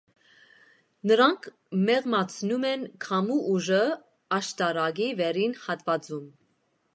Նրանք մեղմացնում են քամու ուժը աշտարակի վերին հատվածում։